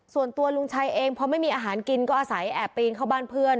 ส่วนตัวลุงชัยเองพอไม่มีอาหารกินก็อาศัยแอบปีนเข้าบ้านเพื่อน